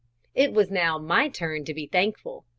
It was now my turn to be thankful.